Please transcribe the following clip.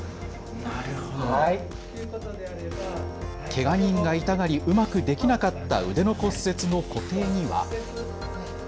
けが人が痛がり、うまくできなかった腕の骨折の固定には。